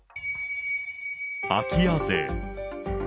空き家税。